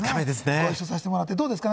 ご一緒させてもらって、どうですか？